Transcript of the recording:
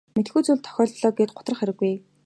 Мэдэхгүй зүйл тохиолдлоо гээд гутрах хэрэггүй.